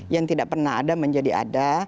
yang tidak pernah ada menjadi ada